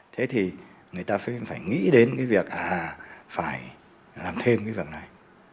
thế thì người ta phải nghĩ đến việc phải làm thêm cái vật này